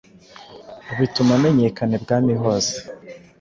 bituma amenyekana ibwami hose